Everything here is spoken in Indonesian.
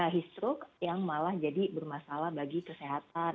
histruk yang malah jadi bermasalah bagi kesehatan